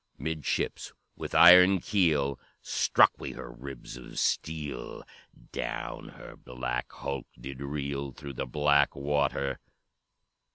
Mid ships with iron keel Struck we her ribs of steel! Down her black hulk did reel Through the black water!